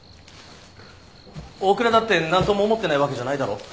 大倉だってなんとも思ってないわけじゃないだろ？